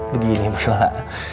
begini bu yola